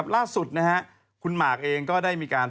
ล่าสุดคุณหมากเองก็ได้มีการ